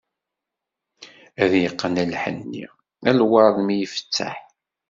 Ad yeqqen lḥenni, lwerd mi ifetteḥ.